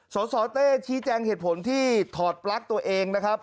สสเต้ชี้แจงเหตุผลที่ถอดปลั๊กตัวเองนะครับ